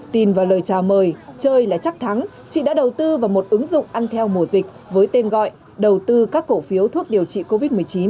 tin vào lời chào mời chơi là chắc thắng chị đã đầu tư vào một ứng dụng ăn theo mùa dịch với tên gọi đầu tư các cổ phiếu thuốc điều trị covid một mươi chín